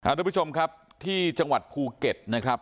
ทุกผู้ชมครับที่จังหวัดภูเก็ตนะครับ